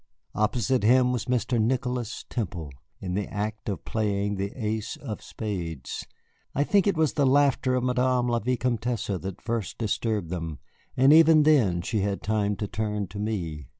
Opposite him was Mr. Nicholas Temple, in the act of playing the ace of spades. I think that it was the laughter of Madame la Vicomtesse that first disturbed them, and even then she had time to turn to me.